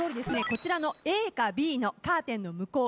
こちらのＡかＢのカーテンの向こう